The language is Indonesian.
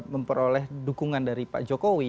memperoleh dukungan dari pak jokowi